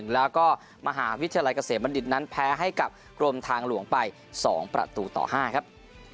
แล้วก็มหาวิทยาลัยเกษมบัณฑิตนั้นแพ้ให้กับกรมทางหลวงไป๒ประตูต่อ๕ครับ